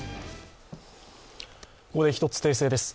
ここで１つ訂正です。